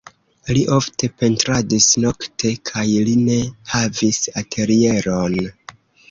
Li ofte pentradis nokte kaj li ne havis atelieron.